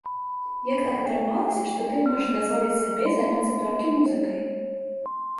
Як так атрымалася, што ты можаш дазволіць сабе займацца толькі музыкай?